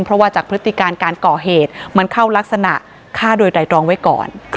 เพราะว่าจากพฤติการการก่อเหตุมันเข้ารักษณะฆ่าโดยไตรรองไว้ก่อน